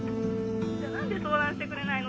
☎何で相談してくれないの？